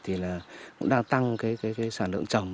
thì cũng đang tăng sản lượng trồng